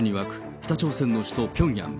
北朝鮮の首都ピョンヤン。